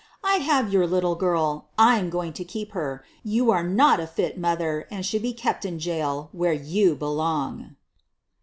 I have your little girl. I'm going to keep her. You are not a fit mother, and should be kept in jail, where you be long.